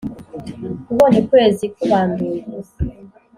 ubonye ukwezi kubanduye.